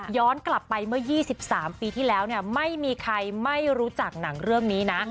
กลับไปเมื่อ๒๓ปีที่แล้วเนี่ยไม่มีใครไม่รู้จักหนังเรื่องนี้นะ